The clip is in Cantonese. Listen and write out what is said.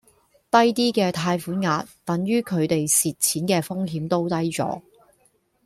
低啲嘅貸款額等於佢地蝕錢嘅風險都低左